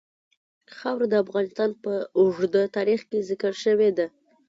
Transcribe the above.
خاوره د افغانستان په اوږده تاریخ کې ذکر شوې ده.